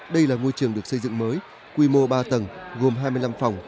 đây là ngôi trường được xây dựng mới quy mô ba tầng gồm hai mươi năm phòng